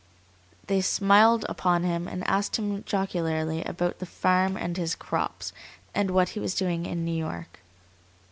They smiled upon him, and asked him jocularly about the farm and his "crops," and what he was doing in New York.